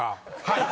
［はい。